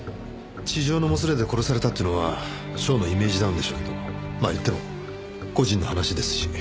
痴情のもつれで殺されたっていうのは省のイメージダウンでしょうけどまあ言っても個人の話ですし。